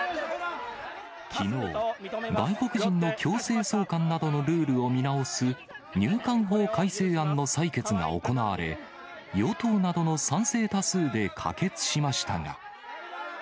きのう、外国人の強制送還などのルールを見直す、入管法改正案の採決が行われ、与党などの賛成多数で可決しましたが。